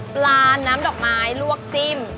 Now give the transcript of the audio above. ปลาน้ำดอกไม้ลวกจิ้ม